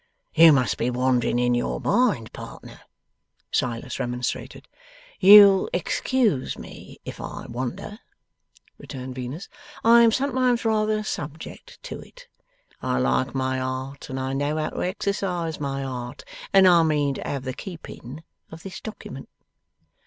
'You must be wandering in your mind, partner,' Silas remonstrated. 'You'll excuse me if I wander,' returned Venus; 'I am sometimes rather subject to it. I like my art, and I know how to exercise my art, and I mean to have the keeping of this document.